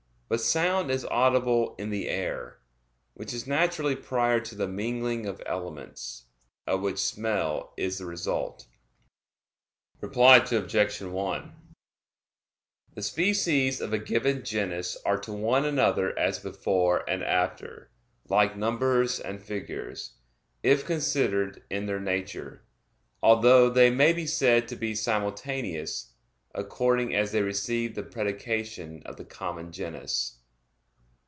But sound is audible in the air, which is naturally prior to the mingling of elements, of which smell is the result. Reply Obj. 1: The species of a given genus are to one another as before and after, like numbers and figures, if considered in their nature; although they may be said to be simultaneous, according as they receive the predication of the common genus.